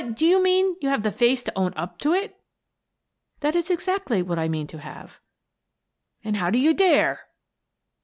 Do you mean to have the face to own up to it? "" That is exactly what I mean to have." " And how do you dare?